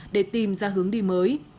để tìm ra hướng đi mới